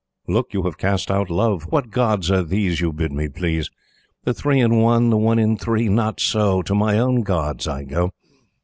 Look, you have cast out Love! What Gods are these You bid me please? The Three in One, the One in Three? Not so! To my own Gods I go.